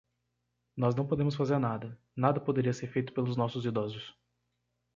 Nós não podemos fazer nada, nada poderia ser feito pelos nossos idosos.